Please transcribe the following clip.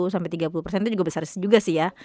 sampai tiga puluh persen itu juga besar juga sih ya